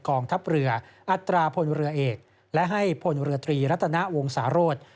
กองทัพเรืออัตราพลเรือเอกและให้พลเรือตรีรัตนวงศาโรธ